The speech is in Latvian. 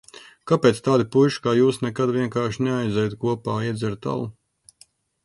Kāpēc tādi puiši kā jūs nekad vienkārši neaizejat kopā iedzert alu?